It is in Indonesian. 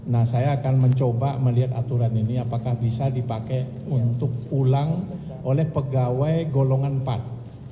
nah saya akan mencoba melihat aturan ini apakah bisa dipakai untuk ulang oleh pegawai golongan empat